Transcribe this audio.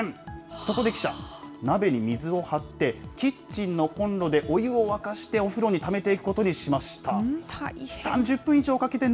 そこで記者、鍋に水を張って、キッチンのコンロでお湯を沸かしてお風呂にためていくことにしま